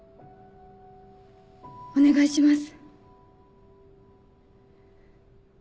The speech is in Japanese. お願いします。